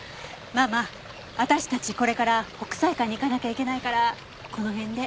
ママ私たちこれから北斎館に行かなきゃいけないからこの辺で。